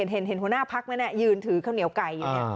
เห็นหัวหน้าพักนั้นยืนถือข้าวเหนียวไก่อยู่เนี่ย